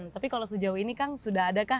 tapi kalau sejauh ini kang sudah adakah